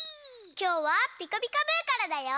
きょうは「ピカピカブ！」からだよ。